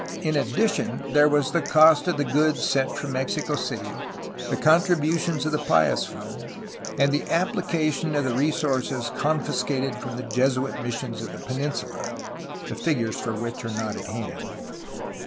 In addition there was the cost of the goods sent from Mexico City, the contributions of the Pious Fund, and the application of the resources confiscated from the Jesuit missions of the peninsula, the figures for which are not at hand.